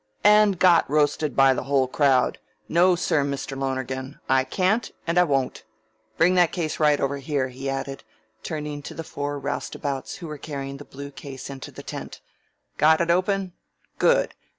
"And got roasted by the whole crowd! No, sir, Mr. Lonergan. I can't, and I won't. Bring that case right over here," he added, turning to the four roustabouts who were carrying the blue case into the tent. "Got it open? Good!